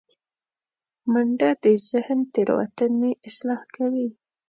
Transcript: منډه د ذهن تیروتنې اصلاح کوي